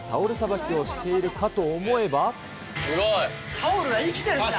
タオルが生きてるみたい。